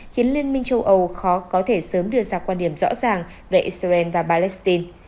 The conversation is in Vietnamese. khiến liên minh châu âu khó có thể sớm đưa ra quan điểm rõ ràng về israel và palestine